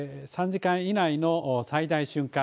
３時間以内の最大瞬間